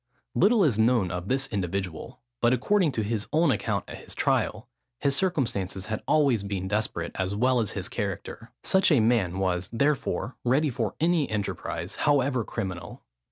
Little is known of this individual: but according to his own account at his trial, his circumstances had always been desperate, as well as his character. Such a man was, therefore, ready for any enterprise, however criminal.